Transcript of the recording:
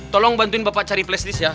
tolong bantuin bapak cari flashdisk ya